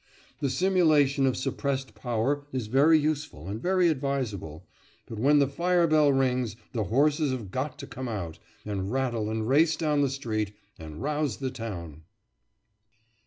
The simulation of suppressed power is very useful and very advisable, but when the fire bell rings the horses have got to come out, and rattle and race down the street, and rouse the town!